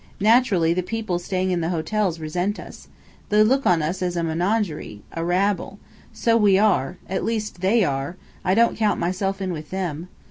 Naturally the people staying in the hotels resent us. They look on us as a menagerie a rabble. So we are. At least, they are. I don't count myself in with them.